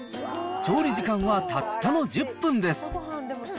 調理時間はたったの１０分です。